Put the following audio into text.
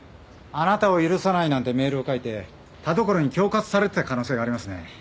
「貴方を許さない」なんてメールを書いて田所に恐喝されてた可能性がありますね。